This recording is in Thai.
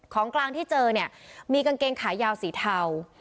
ของกลางที่เจอเนี่ยมีกางเกงขายาวสีเทา